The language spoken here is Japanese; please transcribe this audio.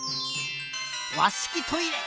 わしきトイレ！